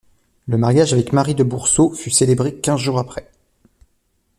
Le mariage avec Marie de Boursault fut célébré quinze jours après.